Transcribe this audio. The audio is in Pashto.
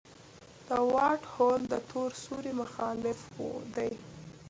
د وائټ هول د تور سوري مخالف دی.